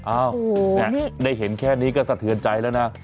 ได้เห็นแค่นี้ก็สะเทือนใจแล้วนะ